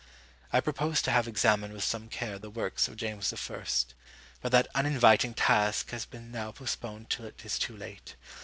I proposed to have examined with some care the works of James I.; but that uninviting task has been now postponed till it is too late.